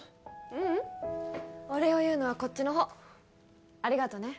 ううんお礼を言うのはこっちのほうありがとね